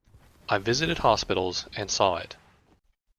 I visited hospitals and saw it.